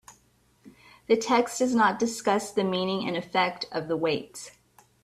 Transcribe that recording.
The text does not discuss the meaning and effect of the weights.